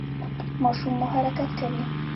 ماشوم مو حرکت کوي؟